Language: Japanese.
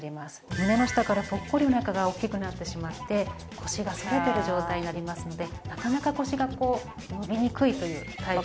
胸の下からポッコリお腹が大きくなってしまって腰が反れてる状態になりますのでなかなか腰がこう伸びにくいというタイプになります。